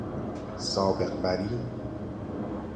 سابق براین